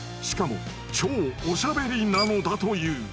しかも超おしゃべりなのだという。